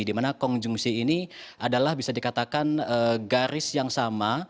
dimana konjungsi ini adalah bisa dikatakan garis yang sama